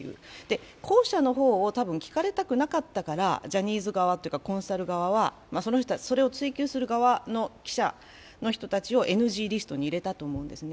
後者の方を聞かれたくなかったからジャニーズ側というかコンサル側はそれを追及する側の記者の人たちをＮＧリストに入れたと思うんですね。